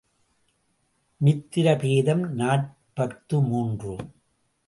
மித்திர பேதம் நாற்பத்து மூன்று.